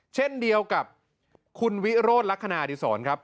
เช่นเดียวกับคุณวิโรธลักษณะอดีศรครับ